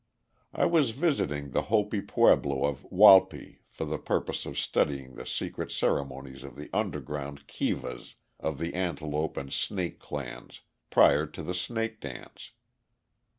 I was visiting the Hopi pueblo of Walpi for the purpose of studying the secret ceremonies of the underground kivas of the Antelope and Snake clans prior to the Snake Dance.